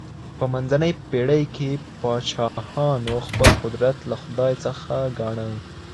په منځنۍ پېړۍ کي پادشاهانو خپل قدرت له خدای څخه ګاڼه.